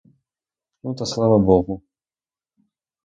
Ну, та слава богу!